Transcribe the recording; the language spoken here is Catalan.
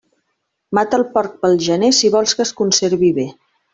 Mata el porc pel gener, si vols que es conservi bé.